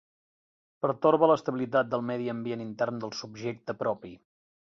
Pertorbe l'estabilitat del medi ambient intern del subjecte propi.